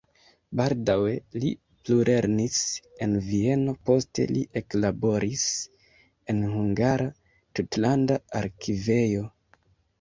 Baldaŭe li plulernis en Vieno, poste li eklaboris en "Hungara Tutlanda Arkivejo".